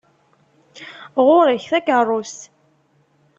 Ɣur-k takeṛṛust!